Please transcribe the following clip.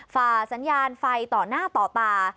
ฝ่าสัญญาณไฟต่อหน้าต่อตา